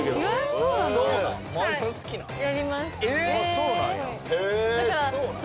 そうなんや？